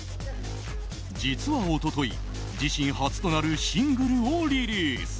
実は一昨日、自身初となるシングルをリリース。